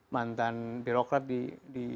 mantan birokrat di